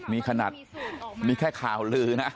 มีขนาดมีแค่ข่าวลือนะ